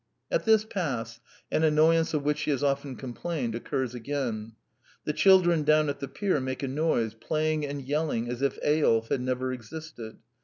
At this pass, an annoyance of which she has often complained occurs again. The children down at the pier make a noise, playing and yell ing as if Eyolf had never existed.